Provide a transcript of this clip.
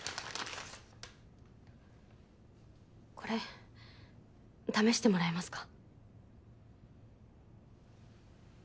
これ試してもらえますか？